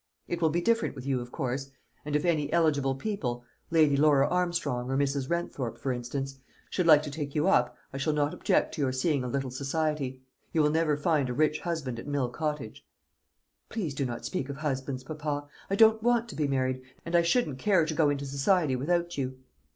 It will be different with you, of course; and if any eligible people Lady Laura Armstrong or Mrs. Renthorpe for instance should like to take you up, I shall not object to your seeing a little society. You will never find a rich husband at Mill Cottage." "Please do not speak of husbands, papa. I don't want to be married, and I shouldn't care to go into society without you."